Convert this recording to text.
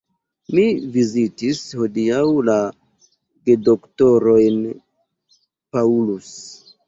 Mi vizitis hodiaŭ la gedoktorojn Paulus.